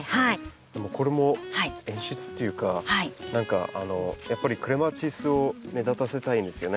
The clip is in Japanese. でもこれも演出っていうか何かやっぱりクレマチスを目立たせたいんですよね。